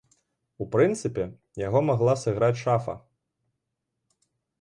У прынцыпе, яго магла сыграць шафа.